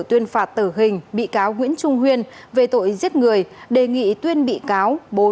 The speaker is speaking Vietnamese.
tuyên phạt tử hình bị cáo nguyễn trung huyên về tội giết người đề nghị tuyên bị cáo